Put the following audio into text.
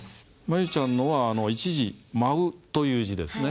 舞悠ちゃんのは１字「舞」という字ですね。